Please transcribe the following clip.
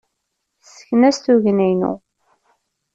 Tessken-as tugna-inu.